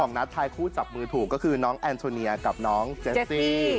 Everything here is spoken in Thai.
นัดทายคู่จับมือถูกก็คือน้องแอนโทเนียกับน้องเจสซี่